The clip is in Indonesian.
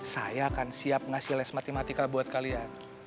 saya akan siap ngasih les matematika buat kalian